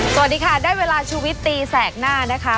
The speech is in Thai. สวัสดีค่ะได้เวลาชูวิตตีแสกหน้านะคะ